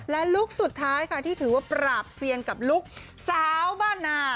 และลุคสุดท้ายค่ะที่ถือว่าปราบเซียนกับลุคสาวบ้านนา